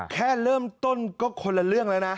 แค่เริ่มต้นก็คนละเรื่องแล้วนะ